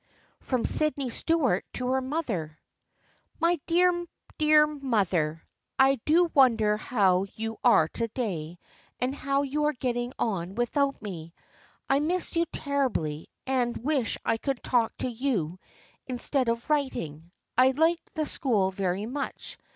From Sydney Stuart to her mother :" My dear, dear mother :" I do wonder how you are to day and how you are getting on without me. I miss you ter ribly, and wish I could talk to you instead of writing. I like the school very much.